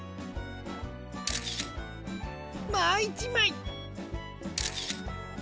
もう１まい！